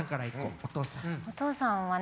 お父さんはね